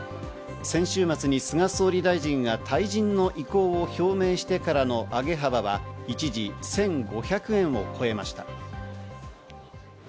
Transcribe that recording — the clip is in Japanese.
先週末に菅総理大臣が退陣の意向を表明してからの上げ幅は一時１５００円を超えました。